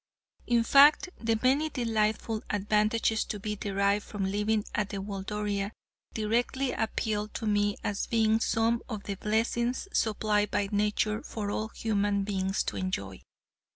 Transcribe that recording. In fact, the many delightful advantages to be derived from living at the Waldoria directly appealed to me as being some of the blessings supplied by nature for all human beings to enjoy.